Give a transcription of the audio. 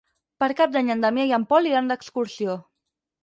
Per Cap d'Any en Damià i en Pol iran d'excursió.